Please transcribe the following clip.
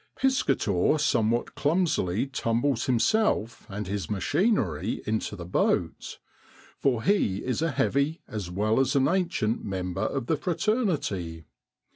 Piscator somewhat clumsily tumbles himself and his machinery into the boat, for he is a heavy as well as an ancient member of the fraternity.